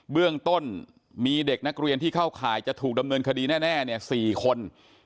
เบื้องต้นมีเด็กนักเรียนที่เข้าข่ายจะถูกดำเนินคดีแน่๔คน